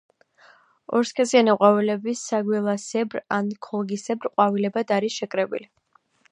ორსქესიანი ყვავილები საგველასებრ ან ქოლგისებრ ყვავილედებად არის შეკრებილი.